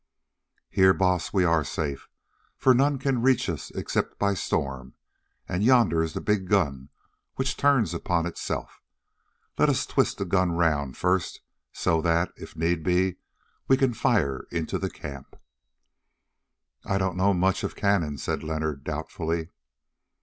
"Here, Baas, we are safe, for none can reach us except by storm, and yonder is the big gun which turns upon itself. Let us twist the gun round first, so that, if need be, we can fire into the camp." "I don't know much of cannon," said Leonard doubtfully.